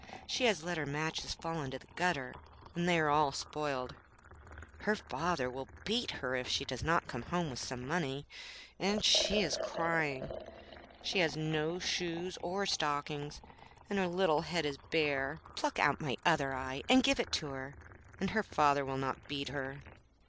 She has let her matches fall in the gutter, and they are all spoiled. Her father will beat her if she does not bring home some money, and she is crying. She has no shoes or stockings, and her little head is bare. Pluck out my other eye, and give it to her, and her father will not beat her.